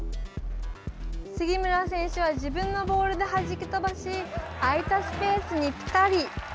杉村選手は自分のボールで弾き飛ばし空いたスペースにぴたり。